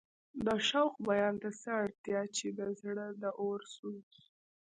د شوق بیان ته څه اړتیا چې د زړه د اور سوز.